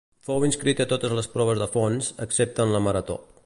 Fou inscrit a totes les proves de fons, excepte en la marató.